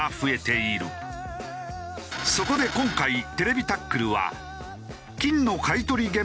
そこで今回『ＴＶタックル』は。